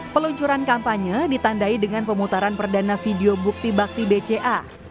peluncuran kampanye ditandai dengan pemutaran perdana video bukti bakti bca